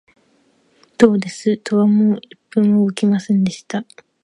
どうです、戸はもう一分も動きませんでした